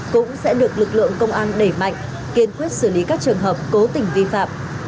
cũng sẽ được lực lượng công an đẩy mạnh kiên quyết xử lý các trường hợp cố tình vi phạm